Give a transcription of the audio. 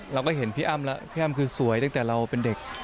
เราก็เห็นพี่อ้ำแล้วพี่อ้ำคือสวยตั้งแต่เราเป็นเด็ก